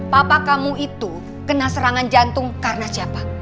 papa kamu itu kena serangan jantung karena siapa